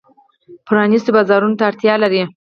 پرانیستو بازارونو ته اړتیا لري.